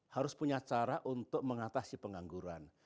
harus punya cara untuk mengatasi pengangguran